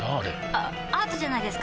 あアートじゃないですか？